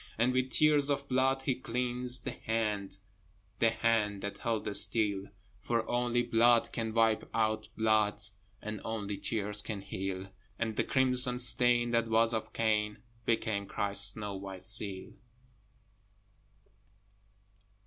And with tears of blood he cleansed the hand, The hand that held the steel: For only blood can wipe out blood, And only tears can heal: And the crimson stain that was of Cain Became Christ's snow white seal.